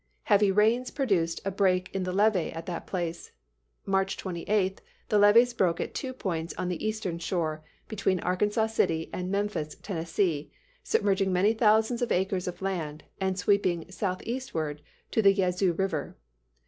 Heavy rains produced a break in the levee at that place. March 28, the levees broke at two points on the eastern shore, between Arkansas City and Memphis, Tennessee, submerging many thousands of acres of land, and sweeping southeastward to the Yazoo River.